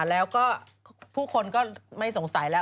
แล้วก็ผู้คนก็ไม่สงสัยแล้ว